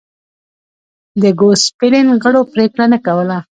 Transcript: د ګوسپلین غړو پرېکړه نه کوله.